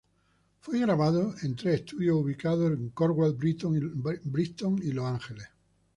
Fue grabado en tres estudios ubicados en Cornwall, Brighton, y Los Ángeles.